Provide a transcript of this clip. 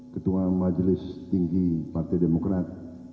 ketua majelis tinggi partai demokrat